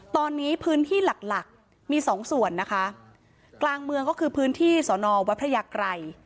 ตอนนี้พื้นที่หลักหลักมีสองส่วนนะคะกลางเมืองก็คือพื้นที่สอนอวัดพระยากรัย